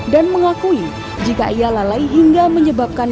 dan mengakui jika ia lalai hingga menyebabkan